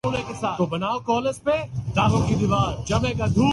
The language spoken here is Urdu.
آج کل میں استاد محترم الطاف حسن قریشی کے انٹرویوز پر